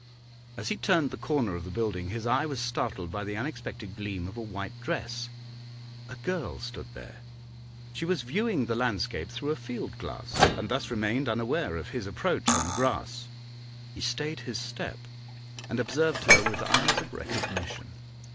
As he turned the corner of the building his eye was startled by the unexpected gleam of a white dress. A girl stood there; she was viewing the landscape through a field glass, and thus remained unaware of his approach on the grass. He stayed his step and observed her with eyes of recognition.